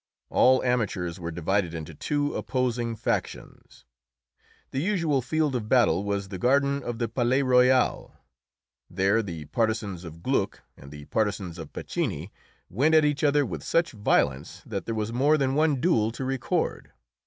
All amateurs were divided into two opposing factions. The usual field of battle was the garden of the Palais Royal. There the partisans of Gluck and the partisans of Piccini went at each other with such violence that there was more than one duel to record.